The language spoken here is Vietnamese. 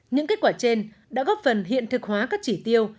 những kết quả trên đã góp phần hiện thực hóa các chỉ tiêu